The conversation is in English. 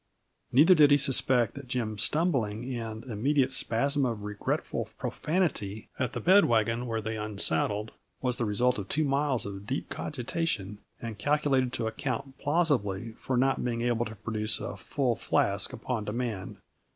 Neither did he suspect that Jim's stumbling and immediate spasm of regretful profanity at the bed wagon where they unsaddled, was the result of two miles of deep cogitation, and calculated to account plausibly for not being able to produce a full flask upon demand.